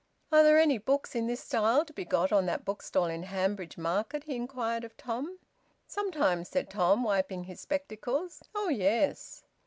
"Are there any books in this style to be got on that bookstall in Hanbridge Market?" he inquired of Tom. "Sometimes," said Tom, wiping his spectacles. "Oh yes!"